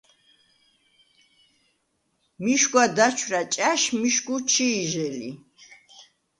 მიშგვა დაჩვრა̈ ჭა̈შ მიშგუ ჩი̄ჟე ლი.